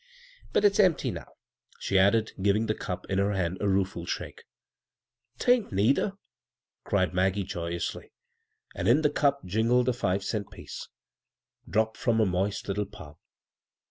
But it's empty now," she added, giving the cup in her hand a rueful shake. " 'Tain't, neither I " cried Maggie, joyously ; and into the cup jingled a five^nnt {Mec^ b, Google CROSS CURRENTS dropped from a. moist little palm.